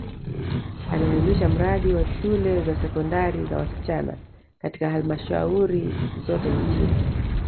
ameanzisha mradi wa shule za sekondari za wasichana katika halmashauri zote nchini